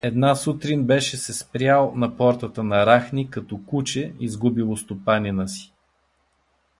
Една сутрин беше се спрял на портата на Рахни, като куче, изгубило стопанина си.